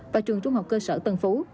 và trường trung học cơ sở tân phú